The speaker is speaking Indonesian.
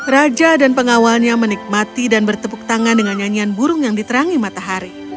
raja dan pengawalnya menikmati dan bertepuk tangan dengan nyanyian burung yang diterangi matahari